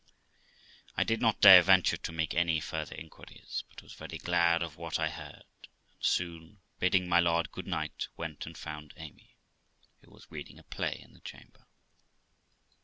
I did not dare venture to make any further inquiries, but was very glad of what I heard, and soon, bidding my lord good night, went and found Amy, who was reading a play in the chamber.